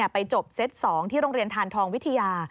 ไปจบเซต๒ที่โรงเรียนทานทองวิทยา